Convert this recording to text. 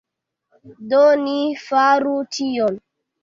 Do, ni faru tion